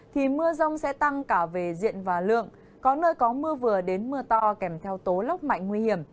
thì mưa rông sẽ tăng cả về diện và lượng có nơi có mưa vừa đến mưa to kèm theo tố lốc mạnh nguy hiểm